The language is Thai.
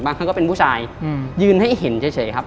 เขาก็เป็นผู้ชายยืนให้เห็นเฉยครับ